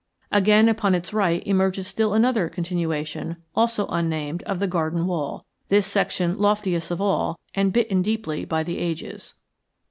Again upon its right emerges still another continuation, also unnamed, of the Garden Wall, this section loftiest of all and bitten deeply by the ages.